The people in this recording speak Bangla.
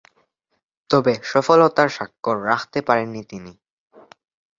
তবে, সফলতার স্বাক্ষর রাখতে পারেননি তিনি।